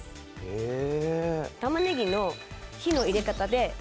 「へえ」